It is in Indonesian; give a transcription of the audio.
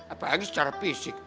apalagi secara fisik